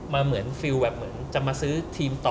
เหมือนฟิลแบบเหมือนจะมาซื้อทีมต่อ